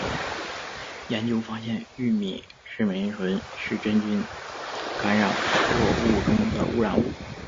研究发现玉米赤霉醇是真菌感染作物中的污染物。